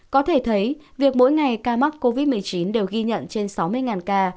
có thể thấy việc mỗi ngày ca mắc covid một mươi chín đều ghi nhận trên sáu mươi ca